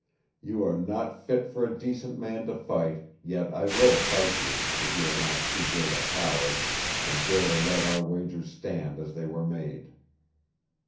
You are not fit for a decent man to fight, yet I will fight you, if you are not too great a coward and dare to let our wagers stand as they were made."